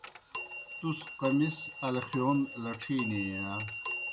تُس قمِص الخِیون لڇِھینیئی یا؟